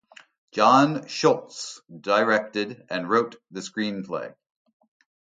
John Schultz directed and wrote the screenplay.